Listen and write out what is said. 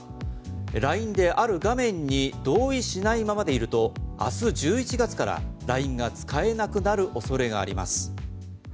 ＬＩＮＥで、ある画面に同意しないままでいると明日１１月からＬＩＮＥが使えなくなる恐れがあります。